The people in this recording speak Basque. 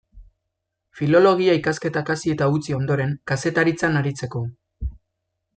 Filologia ikasketak hasi eta utzi ondoren, kazetaritzan aritzeko.